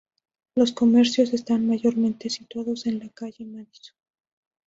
Los comercios están mayormente situados en la calle Madison.